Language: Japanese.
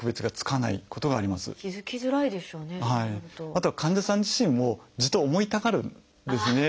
あとは患者さん自身も痔と思いたがるんですね。